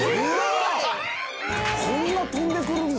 こんな跳んでくるんだ。